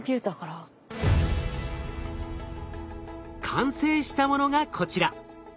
完成したものがこちら。